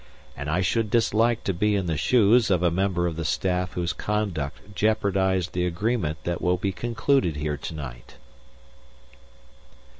And I should dislike to be in the shoes of a member of the staff whose conduct jeopardized the agreement that will be concluded here tonight."